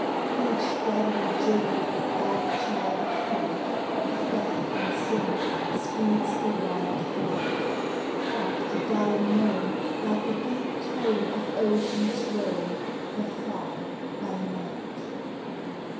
Each deadly Djinn, Dark child of fright, Of death and sin, Speeds the wild flight. Hark, the dull moan, Like the deep tone Of ocean's groan, Afar, by night